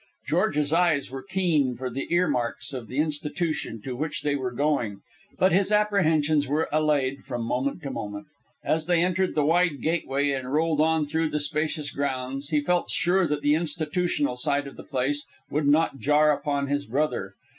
George's eyes were keen for the ear marks of the institution to which they were going, but his apprehensions were allayed from moment to moment. As they entered the wide gateway and rolled on through the spacious grounds, he felt sure that the institutional side of the place would not jar upon his brother.